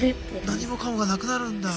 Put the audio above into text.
何もかもがなくなるんだ。